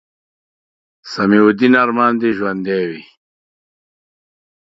سمیع الدین ارمان دې ژوندے وي